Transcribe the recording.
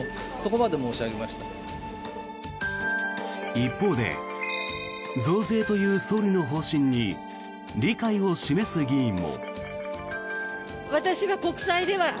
一方で増税という総理の方針に理解を示す議員も。